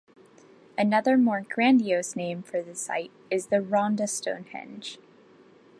Another more grandiose name for the site is the Rhondda Stonehenge.